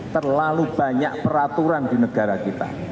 terlalu banyak peraturan di negara kita